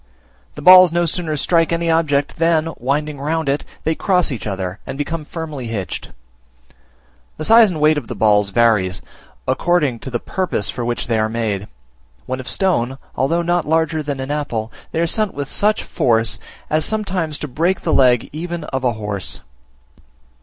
The balls no sooner strike any object, than, winding round it, they cross each other, and become firmly hitched. The size and weight of the balls vary, according to the purpose for which they are made: when of stone, although not larger than an apple, they are sent with such force as sometimes to break the leg even of a horse.